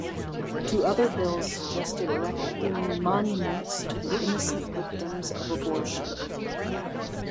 Two other bills suggested erecting monuments to the innocent victims of abortion.